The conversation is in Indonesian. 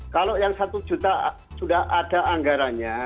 kalau yang satu juta sudah ada anggarannya